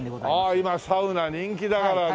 ああ今サウナ人気だからね。